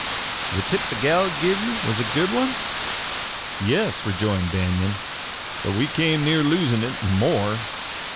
"The tip the gal give ye was a good one?" "Yes," rejoined Banion. "But we came near losing it and more.